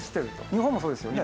日本もそうですよね。